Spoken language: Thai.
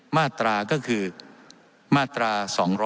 มาตราก็คือมาตรา๒๗